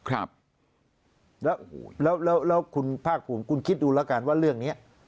ครับแล้วแล้วคุณภาคภูมิคุณคิดดูแล้วกันว่าเรื่องนี้